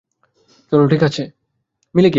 চলো, ঠিক আছে?